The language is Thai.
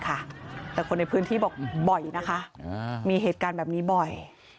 แต่คนในพื้นที่บอกบ่อยนะคะมีเหตุการณ์แบบนี้บ่อย